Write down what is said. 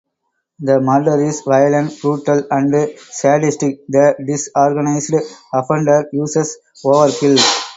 The murder is violent, brutal, and sadistic; the disorganized offender uses overkill.